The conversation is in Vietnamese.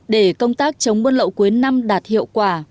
để công tác chống buôn lậu cuối năm đạt hiệu quả